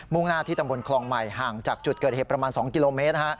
่งหน้าที่ตำบลคลองใหม่ห่างจากจุดเกิดเหตุประมาณ๒กิโลเมตร